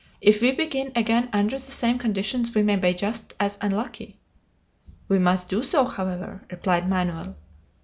If we begin again under the same conditions we may be just as unlucky." "We must do so, however," replied Manoel.